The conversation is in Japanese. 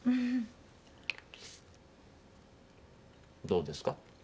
どうですか？